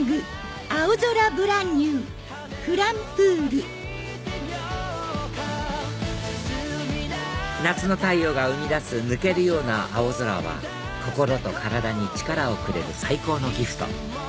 ねこちゃん夏の太陽が生み出す抜けるような青空は心と体に力をくれる最高のギフト